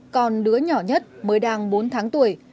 con đứa nhỏ nhất mới đang bốn tháng tuổi